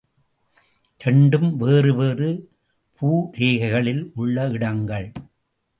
இரண்டும் வேறு வேறு பூரேகைகளில் உள்ள இடங்கள்.